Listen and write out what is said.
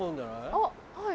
あっはい。